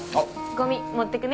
ゴミもってくね。